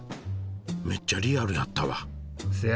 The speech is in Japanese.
めっちゃリアルやったわ。せやろ。